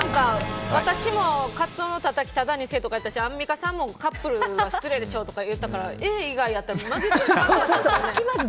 私もカツオのたたきをただにせえとか言ったしアンミカさんもカップルは失礼でしょとか言ったからＡ以外やったらマジで。